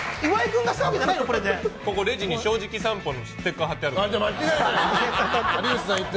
ここ、レジに「正直さんぽ」のステッカー貼ってあるから。